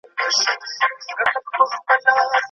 باید د خوب څخه دوه ساعته مخکې ډوډۍ وخوړل شي.